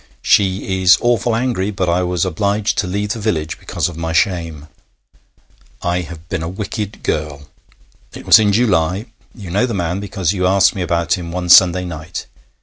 She is awful angry, but I was obliged to leave the village because of my shame. I have been a wicked girl. It was in July. You know the man, because you asked me about him one Sunday night.